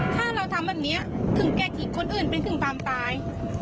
ถ้าเราทำแบบนี้ถึงแก่คิดคนอื่นเป็นถึงความตาย